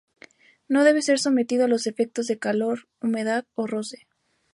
No debe ser sometido a los efectos del calor, humedad o roce.